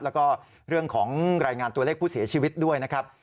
แล้วก็เรื่องของรายงานตัวเลขผู้เสียชีวิตด้วยนะครับ